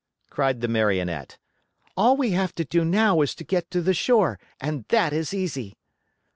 cried the Marionette. "All we have to do now is to get to the shore, and that is easy."